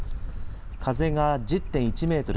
風が１０．１メートル